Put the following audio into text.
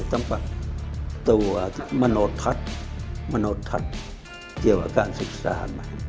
ต้องปรับตัวมโนทัศน์เกี่ยวกับการศึกษา